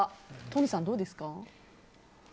都仁さん、どうですか？